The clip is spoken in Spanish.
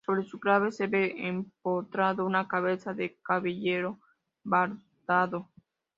Sobre su clave se ve empotrado una cabeza de caballero barbado.